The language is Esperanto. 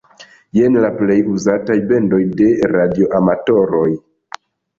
Jen la plej uzataj bendoj de radioamatoroj.